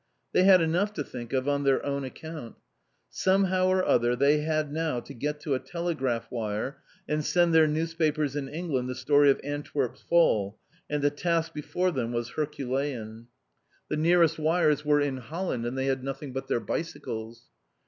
They had enough to think of on their own account! Somehow or other they had now to get to a telegraph wire and send their newspapers in England the story of Antwerp's fall, and the task before them was Herculean. The nearest wires were in Holland, and they had nothing but their bicycles.